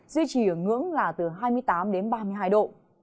duy trì ở ngưỡng là từ hai mươi tám đến ba mươi hai độ